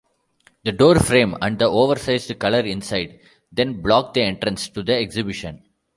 The doorframe and the oversized color inside, then block the entrance to the exhibition.